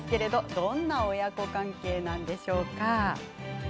どんな親子関係なのでしょう。